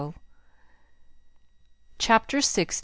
CHAPTER LX.